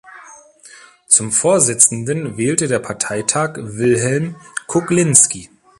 Zum Vorsitzenden wählte der Parteitag Wilhelm Kuklinski.